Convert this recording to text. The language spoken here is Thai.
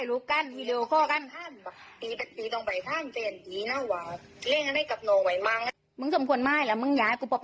ทีนี้ตำรวจเนี่ยนะก็ต้องเก็บร่วมทางรวมทางด้วยนะครับ